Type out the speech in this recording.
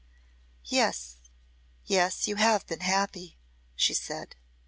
"Yes yes; you have been happy," she said.